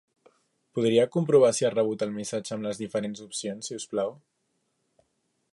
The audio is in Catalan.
Podria comprovar si ha rebut el missatge amb les diferents opcions, si us plau?